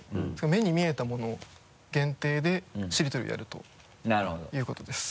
目に見えたもの限定でしりとりをやるということです。